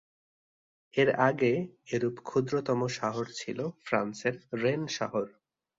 এর আগে এরূপ ক্ষুদ্রতম শহর ছিল ফ্রান্সের রেন শহর।